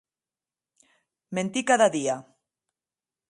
Mentir cada dia!